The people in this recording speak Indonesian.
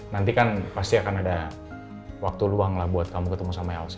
nanti kan pasti akan ada waktu luang lah buat kamu ketemu sama elsa